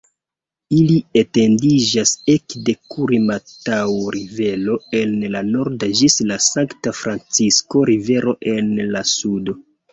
Ili etendiĝas ekde Kurimataŭ-Rivero en la nordo ĝis la Sankta-Francisko-Rivero en la sudo.